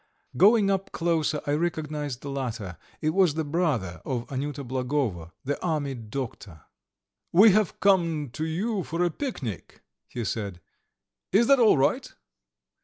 Going up closer I recognized the latter: it was the brother of Anyuta Blagovo, the army doctor. "We have come to you for a picnic," he said; "is that all right?"